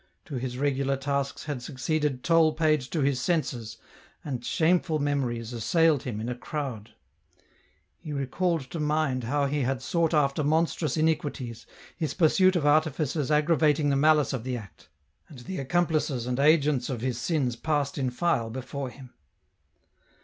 To his regular tasks had succeeded toll paid to his senses, and shameful memories assailed him in a crowd ; he recalled to mind how he had sought after monstrous iniquities, his pursuit of artifices aggravating the malice of the act, and the accomplices and agents of his sins passed in file before him.